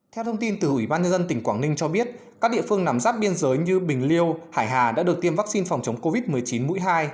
theo thông tin từ ủy ban nhân dân tỉnh quảng ninh cho biết các địa phương nằm ráp biên giới như bình liêu hải hà đã được tiêm vaccine phòng chống covid một mươi chín mũi hai